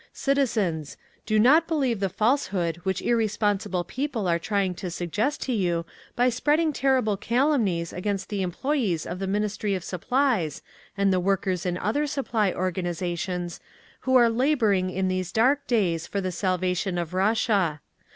_ "CITIZENS: Do not believe the falsehood which irresponsible people are trying to suggest to you by spreading terrible calumnies against the employees of the Ministry of Supplies and the workers in other Supply organisations who are labouring in these dark days for the salvation of Russia.